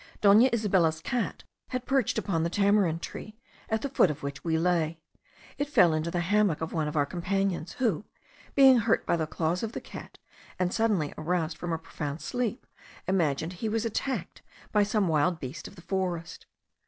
Dona Isabella's cat had perched upon the tamarind tree, at the foot of which we lay. It fell into the hammock of one of our companions, who, being hurt by the claws of the cat, and suddenly aroused from a profound sleep, imagined he was attacked by some wild beast of the forest.